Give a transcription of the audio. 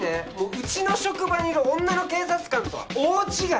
うちの職場にいる女の警察官とは大違い！